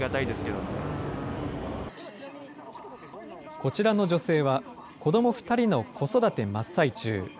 こちらの女性は、子ども２人の子育て真っ最中。